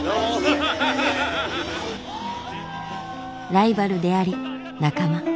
ライバルであり仲間。